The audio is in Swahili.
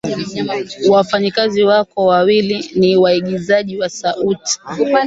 wafanyakazi wako wawili ni waigizaji wa sauti